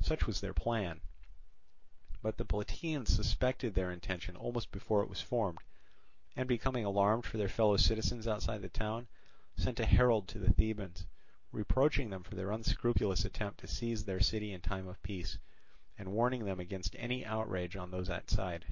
Such was their plan. But the Plataeans suspected their intention almost before it was formed, and becoming alarmed for their fellow citizens outside the town, sent a herald to the Thebans, reproaching them for their unscrupulous attempt to seize their city in time of peace, and warning them against any outrage on those outside.